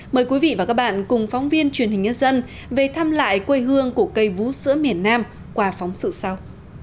mời quý vị và các bạn cùng phóng viên truyền hình nhân dân về thăm lại quê hương của cây vú sứa miền nam qua phóng sự sau